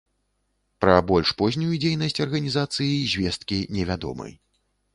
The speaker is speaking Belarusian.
Пра больш познюю дзейнасць арганізацыі звесткі невядомы.